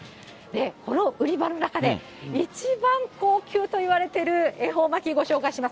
この売り場の中で、一番高級といわれてる恵方巻、ご紹介します。